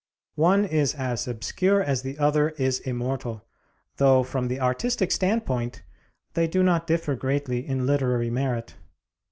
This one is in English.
One is as obscure as the other is immortal, though from the artistic standpoint they do not differ greatly in literary merit.